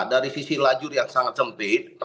dari sisi lajur yang sangat sempit